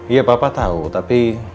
iya papa tau tapi